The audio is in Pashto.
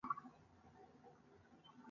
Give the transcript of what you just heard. له نن نه ګډ ژوند پیل شو.